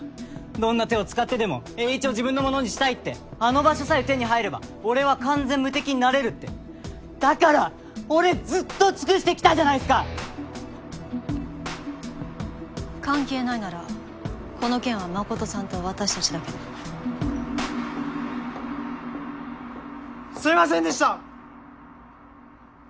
どんな手を使ってでもエーイチを自分のものにしたいってあの場所さえ手に入れば俺は完全無敵になれるってだから俺ずっと尽くしてきたじゃないっすか関係ないならこの件はマコトさんと私達だけですいませんでした！